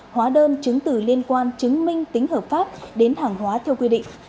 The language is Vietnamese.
hóa đơn chứng từ liên quan chứng minh tính hợp pháp đến hàng hóa theo quy định